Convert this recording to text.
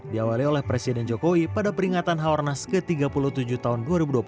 diawali oleh presiden jokowi pada peringatan haornas ke tiga puluh tujuh tahun dua ribu dua puluh